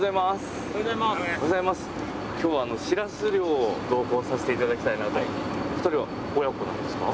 今日はしらす漁同行させて頂きたいなと。